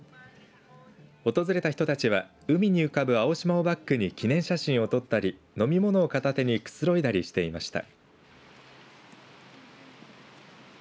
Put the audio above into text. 訪れた人たちは海に浮かぶ青島をバックに記念写真を撮ったり飲み物を片手にくつろいだりしていました。